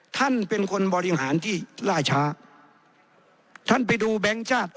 ท่านเป็นคนบริหารที่ล่าช้าท่านไปดูแบงค์ชาติ